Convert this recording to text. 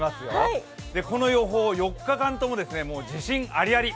この予報、４日間とも自信ありあり。